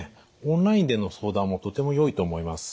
オンラインでの相談もとてもよいと思います。